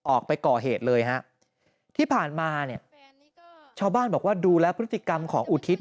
ออกไปก่อเหตุเลยฮะที่ผ่านมาเนี่ยชาวบ้านบอกว่าดูแล้วพฤติกรรมของอุทิศ